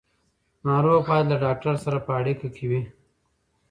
ناروغ باید له ډاکټر سره په اړیکه وي.